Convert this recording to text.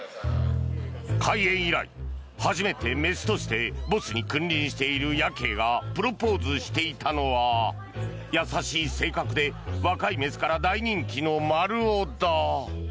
開園以来初めて雌としてボスに君臨しているヤケイがプロポーズしていたのは優しい性格で若い雌から大人気のマルオだ。